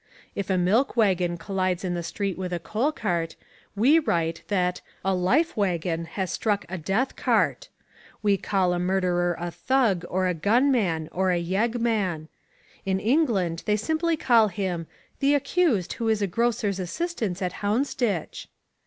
If a milk waggon collides in the street with a coal cart, we write that a "life waggon" has struck a "death cart." We call a murderer a "thug" or a "gun man" or a "yeg man." In England they simply call him "the accused who is a grocer's assistant in Houndsditch."